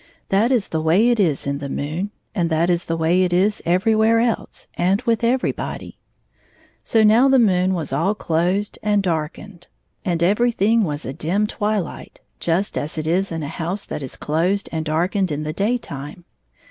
That is the way it is in the moon, — and that is the way it is everywhere else and with everybody. So, now, the moon was all closed and darkened, 65 and everything was a dim twilight, just as it is m a house that is closed and darkened in the day time.